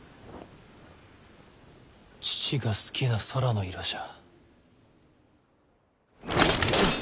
父が好きな空の色じゃ。